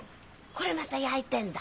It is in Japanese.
これまたやいてんだ。